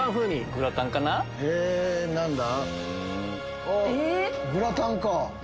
グラタンか！